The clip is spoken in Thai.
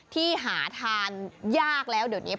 ที่หาทานยากแล้วเดี๋ยวนี้